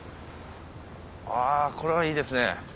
あぁこれはいいですね。